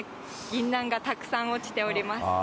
ぎんなんがたくさん落ちております。